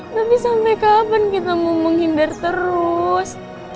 tapi sampai kapan kita mau menghindar terus